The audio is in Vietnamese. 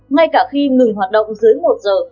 ngay cả khi ngừng hoạt động dưới một giờ